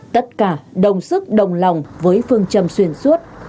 tất cả đồng sức đồng lòng với phương trầm xuyên suốt